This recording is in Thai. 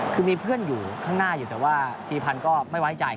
คือมีเพื่อนอยู่ข้างหน้าอยู่แต่ว่าธีพันธ์ก็ไม่ไว้ใจ